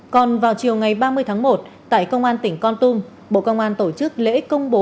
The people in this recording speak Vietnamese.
còn vào chiều ngày ba mươi tháng một tại công an tỉnh con tum bộ công an tổ chức lễ công bố